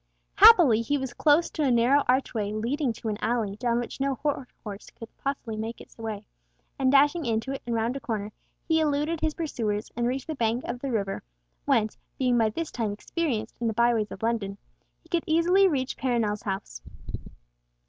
Happily he was close to a narrow archway leading to an alley down which no war horse could possibly make its way, and dashing into it and round a corner, he eluded his pursuers, and reached the bank of the river, whence, being by this time experienced in the by ways of London, he could easily reach Perronel's house.